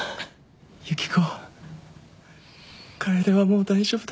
雪子楓はもう大丈夫だ